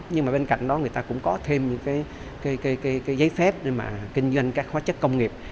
nhưng mà bên cạnh đó người ta cũng có thêm những cái giấy phép để mà kinh doanh các hóa chất công nghiệp